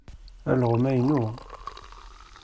Alɣem-a i nnu.